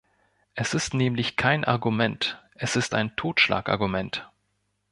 Es ist nämlich kein Argument, es ist ein Totschlagargument.